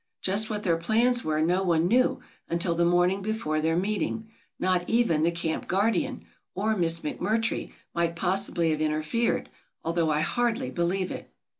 Just what their plans were no one knew until the morning before their meeting, not even the camp guardian, or Miss McMurtry might possibly have interfered, although I hardly believe it.